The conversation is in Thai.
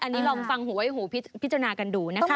อันนี้ลองฟังหูไว้หูพิจารณากันดูนะคะ